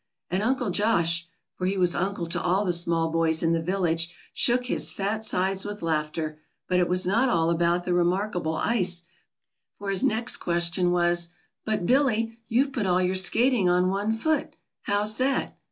And Uncle Josh for he was uncle to all the small boys in the village shook his fat sides with laughter, but it was not all about the remarkable ice, for his next question was, "But, Billy, you've put all your skating on one foot. How's that?"